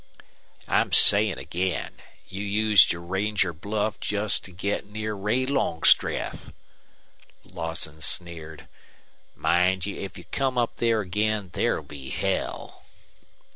"I'm saying again, you used your ranger bluff just to get near Ray Longstreth," Lawson sneered. "Mind you, if you come up there again there'll be hell."